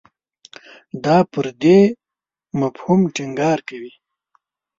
دا پر دې مفهوم ټینګار کوي.